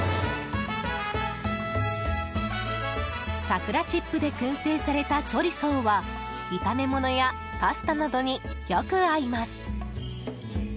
桜チップで燻製されたチョリソーは炒め物やパスタなどによく合います。